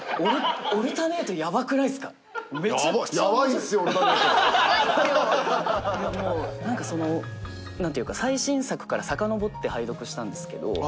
『オルタネート』何かその何ていうか最新作からさかのぼって拝読したんですけど